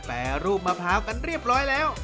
แปรรูปมะพร้าวกันเรียบร้อยแล้ว